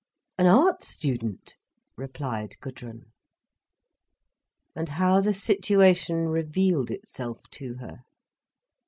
_" "An art student!" replied Gudrun. And how the situation revealed itself to her!